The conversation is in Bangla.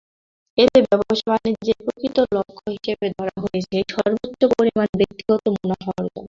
এতে ব্যবসা-বাণিজ্যের প্রকৃত লক্ষ্য হিসেবে ধরা হয়েছে সর্বোচ্চ পরিমাণ ব্যক্তিগত মুনাফা অর্জন।